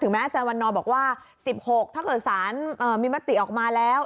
แม้อาจารย์วันนอบอกว่า๑๖ถ้าเกิดสารมีมติออกมาแล้ว